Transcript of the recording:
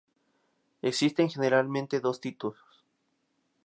Existen generalmente dos tipos.